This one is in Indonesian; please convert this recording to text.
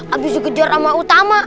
abis dikejar sama utama